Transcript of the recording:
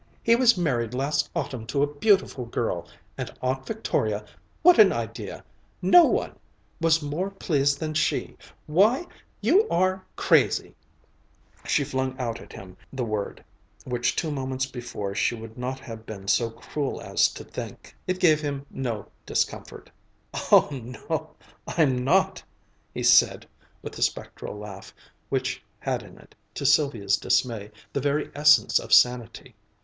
"He was married last autumn to a beautiful girl and Aunt Victoria what an idea! no one was more pleased than she why you are crazy!" She flung out at him the word, which two moments before she would not have been so cruel as to think. It gave him no discomfort. "Oh no, I'm not," he said with a spectral laugh, which had in it, to Sylvia's dismay, the very essence of sanity.